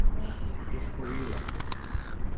excluí-la